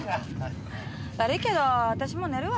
悪いけど私もう寝るわ。